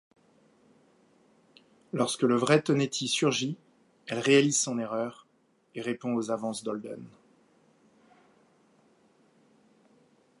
Lorsque le vrai Tonetti surgit, elle réalise son erreur, et répond aux avances d'Holden.